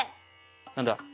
何だ？